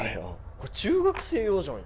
これ中学生用じゃんよ